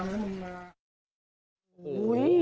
จริงที่